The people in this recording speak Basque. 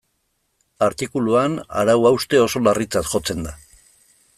Artikuluan arau hauste oso larritzat jotzen da.